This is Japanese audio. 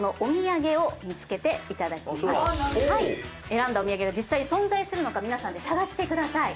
選んだお土産が実際に存在するのか皆さんで探してください。